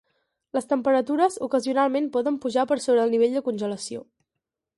Les temperatures ocasionalment poden pujar per sobre del nivell de congelació.